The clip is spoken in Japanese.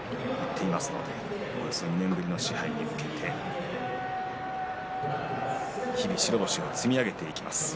２年ぶりの賜盃に向けて日々、白星を積み上げていきます。